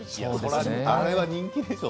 あれは人気でしょ。